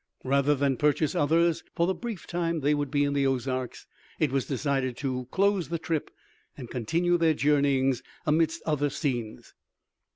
Rather than purchase others for the brief time they would be in the Ozarks, it was decided to close the trip and continue their journeyings amidst other scenes.